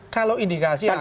kalau indikasinya ada